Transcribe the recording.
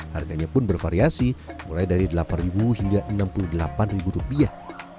harganya pun bervariasi mulai dari delapan hingga enam puluh delapan rupiah